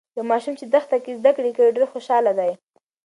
یو ماشوم چې دښته کې زده کړې کوي، ډیر خوشاله دی.